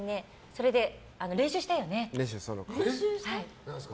それで練習したよね。